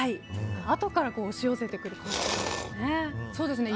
あとから押し寄せてくる感じですね。